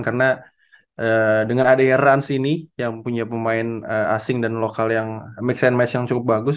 karena dengan adanya rans ini yang punya pemain asing dan lokal yang mix and match yang cukup bagus